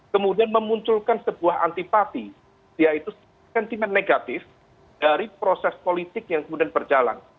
kemudian memunculkan sebuah antipati yaitu sentimen negatif dari proses politik yang kemudian berjalan